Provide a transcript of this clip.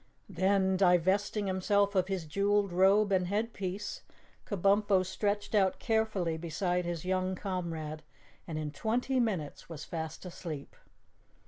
Then, divesting himself of his jeweled robe and head piece, Kabumpo stretched out carefully beside his young comrade and in twenty minutes was fast asleep.